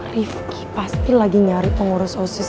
rifki pasti lagi nyari pengurus osis